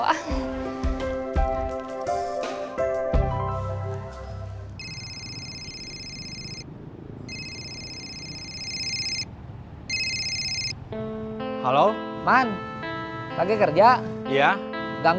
gak tau yang dia bilang